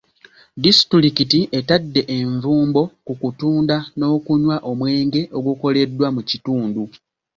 Disitulikiti etadde envumbo ku kutunda n'okunywa omwenge ogukoleddwa mu kitundu.